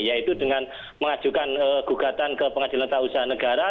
yaitu dengan mengajukan gugatan ke pengadilan tata usaha negara